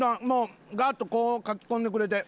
ガーッとこうかき込んでくれて。